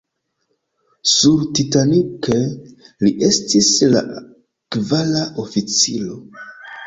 Sur "Titanic" li estis la kvara oficiro.